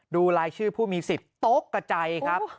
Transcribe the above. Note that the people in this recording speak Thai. ดูรายชื่อผู้มีสิทธิ์ตกกับใจครับ